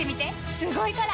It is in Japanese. すごいから！